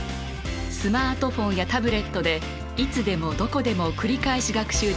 スマートフォンやタブレットでいつでもどこでも繰り返し学習できます。